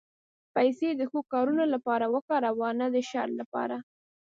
پېسې د ښو کارونو لپاره وکاروه، نه د شر لپاره.